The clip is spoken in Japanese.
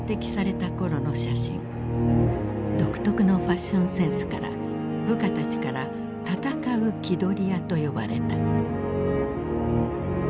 独特のファッションセンスから部下たちから「戦う気取り屋」と呼ばれた。